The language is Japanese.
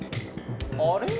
あれ？